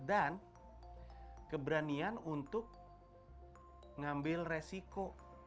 dan keberanian untuk ngambil resiko